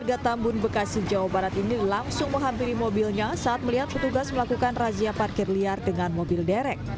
warga tambun bekasi jawa barat ini langsung menghampiri mobilnya saat melihat petugas melakukan razia parkir liar dengan mobil derek